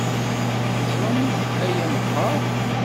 Teẓramt aya meqqar?